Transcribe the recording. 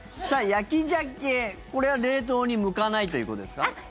焼きザケ、これは冷凍に向かないということですか？